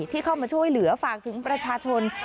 ที่เข้ามาช่วยเหลือฝากถึงประชาชน